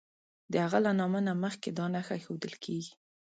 د هغه له نامه نه مخکې دا نښه ایښودل کیږي.